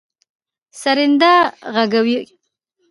سرېنده غږوي.